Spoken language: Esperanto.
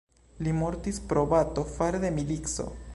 Li mortis pro bato fare de milico.